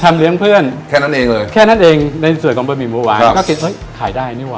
ทำเรียบร้อย